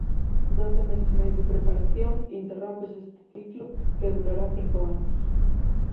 Doce meses máis de preparación, interrómpese este ciclo, que durará cinco anos.